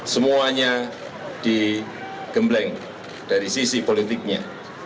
semuanya digembleng dari sisi politiknya